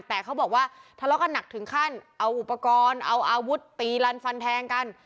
แต่เขาบอกว่าทะเลาะกันหนักถึงขั้นเอาอุปกรณ์เอาอาวุธตีรันฟันแทงกัน